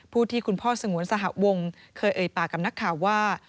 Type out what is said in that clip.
ที่คุณพ่อสงวนสหวงเคยเอ่ยปากกับนักข่าวว่า